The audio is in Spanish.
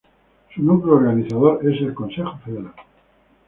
Su núcleo organizacional es el "Consejo Federal".